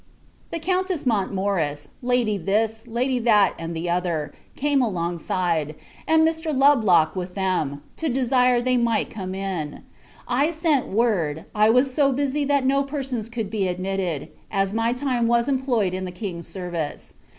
The Countess Montmorris, Lady this, that, and t'other, came along side, a Mr. Lubbock with them to desire they might come in. I sent word, I was so busy that no persons could be admitted, as my time was employed in the King's service.